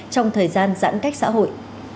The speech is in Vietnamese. trong thời gian giãn cách xã hội